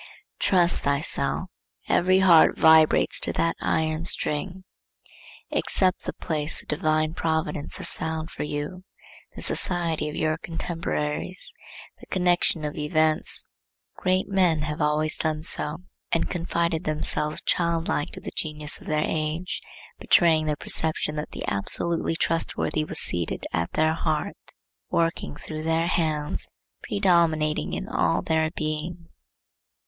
Trust thyself: every heart vibrates to that iron string. Accept the place the divine providence has found for you, the society of your contemporaries, the connection of events. Great men have always done so, and confided themselves childlike to the genius of their age, betraying their perception that the absolutely trustworthy was seated at their heart, working through their hands, predominating in all their being.